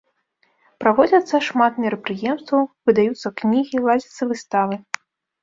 Праводзяцца шмат мерапрыемстваў, выдаюцца кнігі, ладзяцца выставы.